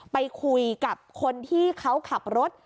ไปคุยกับคนที่เขาขับรถ